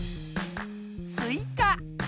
スイカ。